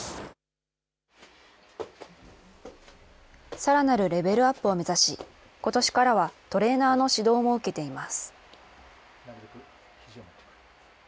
さらなるレベルアップを目指し、ことしからはトレーナーの指導も受けています。